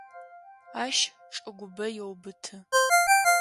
Ащ чӏыгубэ еубыты.